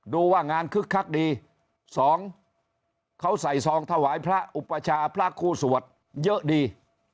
๑ดูว่างานคึกคักดี๒เขาใส่ทรองถวายพระอุปชาพระครูสวรรค์เยอะดี